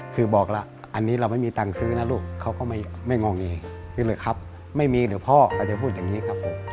คือบอกล่ะอันนี้เราไม่มีเงินซื้อนะลูก